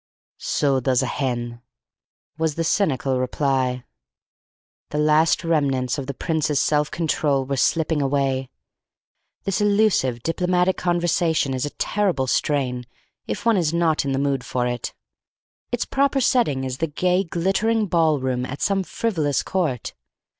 "So does a hen," was the cynical reply. The last remnants of the Prince's self control were slipping away. This elusive, diplomatic conversation is a terrible strain if one is not in the mood for it. Its proper setting is the gay, glittering ball room at some frivolous court.